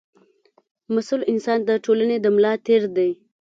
مسوول انسان د ټولنې د ملا تېر دی.